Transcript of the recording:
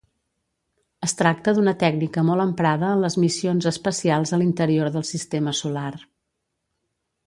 Es tracta d'una tècnica molt emprada en les missions espacials a l'interior del sistema solar.